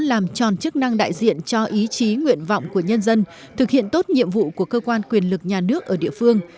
làm tròn chức năng đại diện cho ý chí nguyện vọng của nhân dân thực hiện tốt nhiệm vụ của cơ quan quyền lực nhà nước ở địa phương